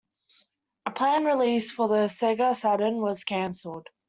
A planned release for the Sega Saturn was cancelled.